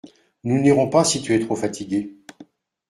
Nous n’irons pas si tu es trop fatiguée.